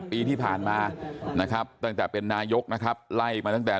ปีที่ผ่านมานะครับตั้งแต่เป็นนายกนะครับไล่มาตั้งแต่